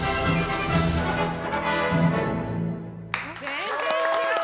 全然違う。